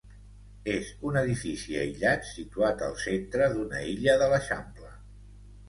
És un edifici aïllat situat al centre d'una illa de l'eixample.